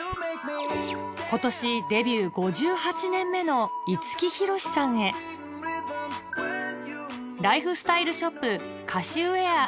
今年デビュー５８年目の五木ひろしさんへライフスタイルショップ